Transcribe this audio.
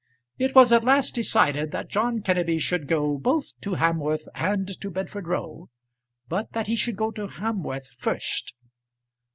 It was at last decided that John Kenneby should go both to Hamworth and to Bedford Row, but that he should go to Hamworth first.